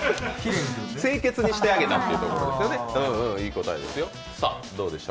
清潔にしてあげたっていうところですよね、いい答えです。